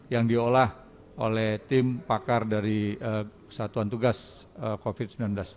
yang diolah oleh tim pakar dari satuan tugas covid sembilan belas